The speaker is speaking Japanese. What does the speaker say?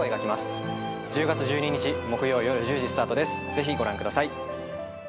ぜひご覧ください。